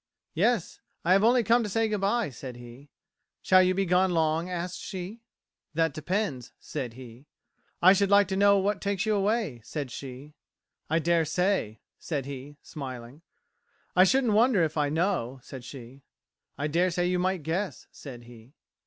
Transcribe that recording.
"Yes, I have only come to say goodbye," said he. "Shall you be gone long?" asked she. "That depends," said he. "I should like to know what takes you away," said she. "I daresay," said he, smiling. "I shouldn't wonder if I know," said she. "I daresay you might guess," said he.